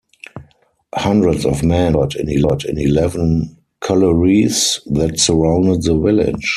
Hundreds of men laboured in eleven collieries that surrounded the village.